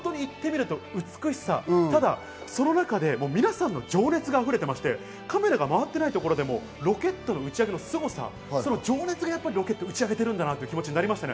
本当に行ってみると、美しさ、その中で皆さんの情熱が溢れてまして、カメラが回ってないところでも、ロケットの打ち上げのすごさ、その情熱がロケットを打ち上げてるんだなという気持ちになりました。